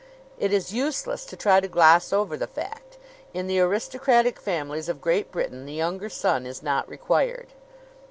It is useless to try to gloss over the fact in the aristocratic families of Great Britain the younger son is not required.